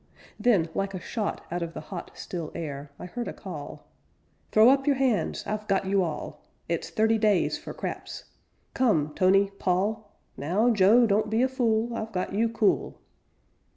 Then, like a shot Out of the hot Still air, I heard a call: "Throw up your hands! I've got you all! It's thirty days for craps. Come, Tony, Paul! Now, Joe, don't be a fool! I've got you cool."